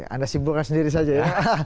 anda simpulkan sendiri saja ya